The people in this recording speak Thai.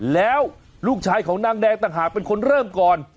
แล้วลูกชายของนางแดงต่างหากเป็นคนเริ่มก่อน